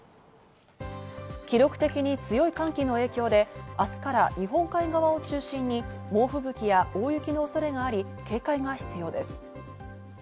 記録的に強い寒気の影響で明日から日本海側を中心に猛吹雪や大雪の恐れがあり、警戒が必要です。